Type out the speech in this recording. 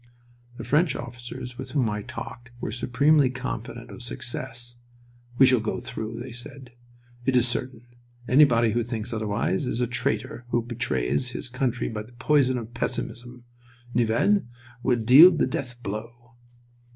The French officers with whom I talked were supremely confident of success. "We shall go through," they said. "It is certain. Anybody who thinks otherwise is a traitor who betrays his country by the poison of pessimism. Nivelle will deal the death blow."